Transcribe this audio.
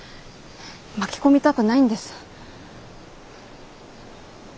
巻き込みたくないんです。